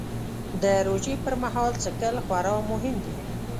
د روژې پر مهال څښل خورا مهم دي